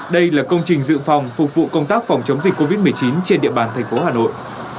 đây là công trình dự phòng phục vụ công tác phòng chống dịch covid một mươi chín trên địa bàn thành phố hà nội